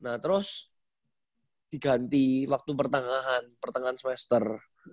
nah terus diganti waktu pertengahan pertengahan semester